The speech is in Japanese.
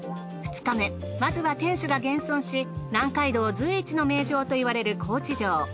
２日目まずは天守が現存し南海道随一の名城と言われる高知城。